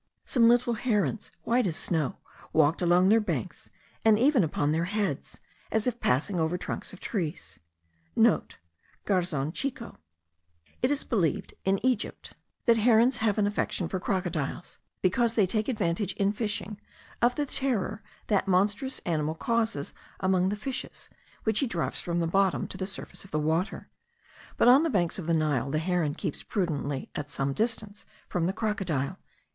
Some little herons,* white as snow, walked along their backs, and even upon their heads, as if passing over trunks of trees. (* Garzon chico. It is believed, in Upper Egypt, that herons have an affection for crocodiles, because they take advantage in fishing of the terror that monstrous animal causes among the fishes, which he drives from the bottom to the surface of the water; but on the banks of the Nile, the heron keeps prudently at some distance from the crocodile.)